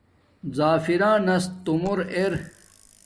زَفرانس تُومُور ار